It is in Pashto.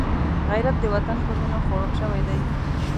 غیرت د وطن په وینو خړوب شوی دی